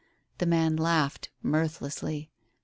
The man laughed mirthlessly.